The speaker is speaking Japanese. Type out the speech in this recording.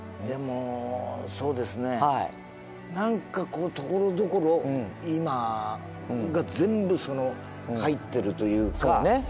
でもそうですね何かこうところどころ今が全部入ってるというか。